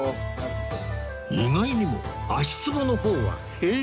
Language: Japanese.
意外にも足ツボの方は平気？